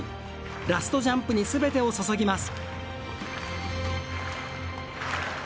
ラストジャンプにすべてを注ぎます。